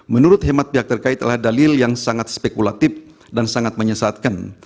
menurut hemat pihak terkait adalah dalil yang sangat spekulatif dan sangat menyesatkan